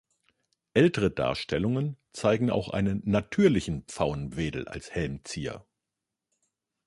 Ältere Darstellungen zeigen auch einen natürlichen Pfauenwedel als Helmzier.